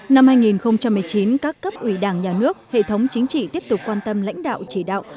năm hai nghìn một mươi chín các cấp ủy đảng nhà nước hệ thống chính trị tiếp tục quan tâm lãnh đạo chỉ đạo